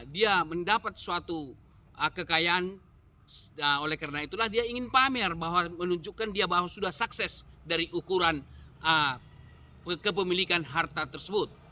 dia mendapat suatu kekayaan oleh karena itulah dia ingin pamer bahwa menunjukkan dia bahwa sudah sukses dari ukuran kepemilikan harta tersebut